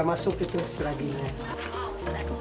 barulah singkong dicuci agar semua lendir pada singkong hilang